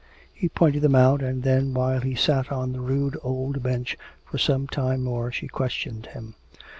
He pointed them out, and then while he sat on the rude old bench for some time more she questioned him.